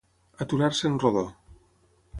Aturar-se en rodó.